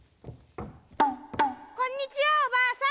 こんにちはおばあさん。